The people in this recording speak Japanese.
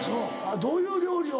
どういう料理を？